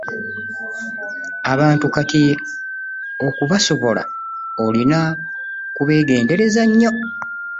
Abantu kati okubasobola olina kubeegendereza nnyo.